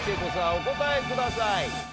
お答えください。